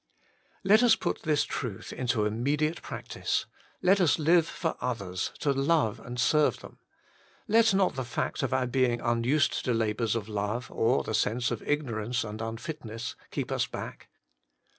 Let us put this truth into immediate practice. Let us live for others, to love and serve them. Let not the fact of our being unused to labours of love, or the sense of ignorance and unfitness, keep us back.